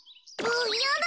やだ！